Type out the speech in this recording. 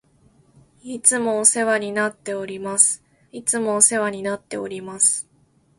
いつもお世話になっております。いつもお世話になっております。